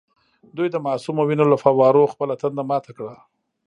دوی د معصومو وینو له فووارو خپله تنده ماته کړه.